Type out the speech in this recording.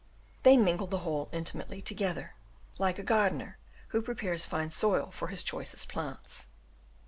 They mingle the whole intimately together, like a gardener who prepares fine soil for his choicest plants.